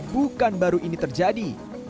bukan baru ini terjadi